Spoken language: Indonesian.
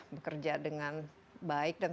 bekerja dengan baik dan